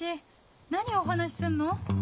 何お話しすんの？